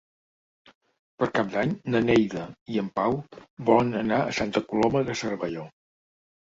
Per Cap d'Any na Neida i en Pau volen anar a Santa Coloma de Cervelló.